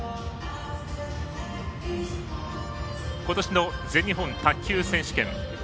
ことしの全日本卓球選手権。